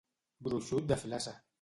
Gruixut de filassa.